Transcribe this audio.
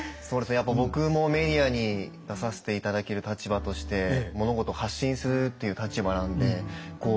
やっぱ僕もメディアに出させて頂ける立場として物事を発信するという立場なんでこう